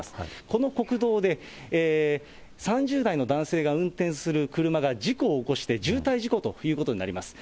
この国道で、３０代の男性が運転する車が事故を起こして渋滞事故ということになります。